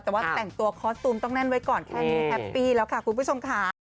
แต่ว่าแต่งตัวคอสตูมต้องแน่นไว้ก่อนแค่นี้แฮปปี้แล้วค่ะคุณผู้ชมค่ะ